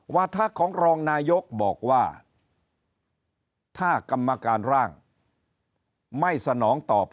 ทะของรองนายกบอกว่าถ้ากรรมการร่างไม่สนองตอบ